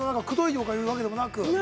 くどいというわけでもなく？